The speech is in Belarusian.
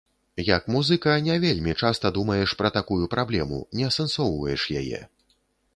Як музыка, не вельмі часта думаеш пра такую праблему, не асэнсоўваеш яе.